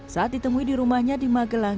saat ditemui di rumahnya di magelang